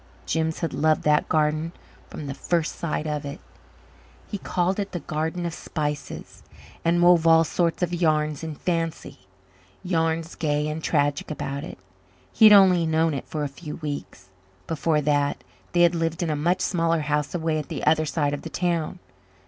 Jims had loved that garden from his first sight of it. He called it the Garden of Spices and wove all sorts of yarns in fancy yarns gay and tragic about it. He had only known it for a few weeks. Before that, they had lived in a much smaller house away at the other side of the town.